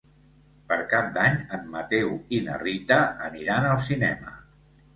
Per Cap d'Any en Mateu i na Rita aniran al cinema.